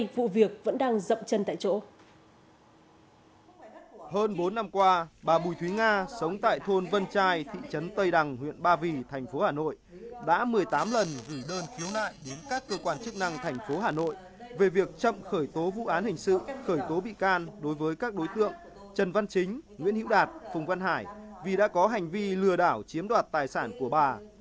hôm qua bà bùi thúy nga sống tại thôn vân trai thị trấn tây đằng huyện ba vì thành phố hà nội đã một mươi tám lần gửi đơn khiếu nại đến các cơ quan chức năng thành phố hà nội về việc chậm khởi tố vụ án hình sự khởi tố bị can đối với các đối tượng trần văn chính nguyễn hữu đạt phùng văn hải vì đã có hành vi lừa đảo chiếm đoạt tài sản của bà